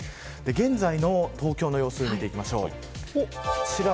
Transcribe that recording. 現在の東京の様子見ていきましょう。